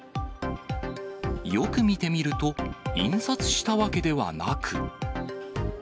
よく見てみると、印刷したわけではなく。